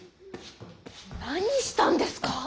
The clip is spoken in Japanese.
何したんですか？